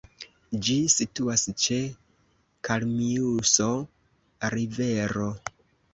Ĝi situas ĉe Kalmiuso-rivero.